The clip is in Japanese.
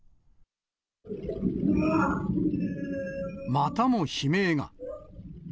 またも悲鳴が。